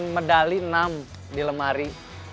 medali enam di lemari